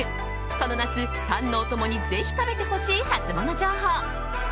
この夏、パンのお供にぜひ食べてほしいハツモノ情報。